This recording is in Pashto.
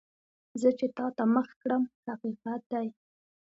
زه چې تا ته مخ کړم، حقیقت دی.